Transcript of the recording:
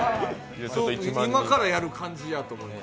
今からやる感じやと思います。